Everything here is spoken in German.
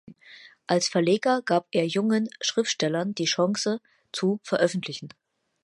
Als Verleger gab er jungen Schriftstellern die Chance zu veröffentlichen.